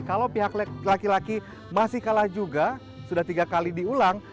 kalau pihak laki laki masih kalah juga sudah tiga kali diulang